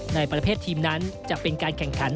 ในประเภททีมนั้นจะเป็นการแข่งขัน